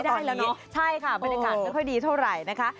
ใช่ค่ะบรรยากาศไม่ค่อยดีเท่าไหร่นะคะ